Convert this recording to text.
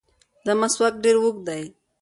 دا مسواک ډېر اوږد دی.